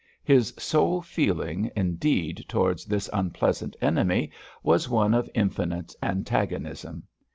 His sole feeling indeed towards this unpleasant enemy was one of infinite antagonism.